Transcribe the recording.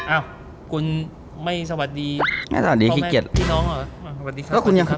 อ้าวคุณไม่สวัสดีไม่สวัสดีขี้เกียจพี่น้องเหรอสวัสดีครับคุณยัง